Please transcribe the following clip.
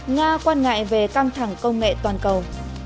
nga quan ngại về căng thẳng công nghệ toàn cầu